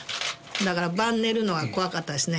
だから晩寝るのが怖かったですね。